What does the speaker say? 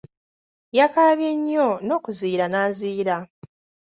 Yakaabye nnyo n'okuziyira n'aziyira.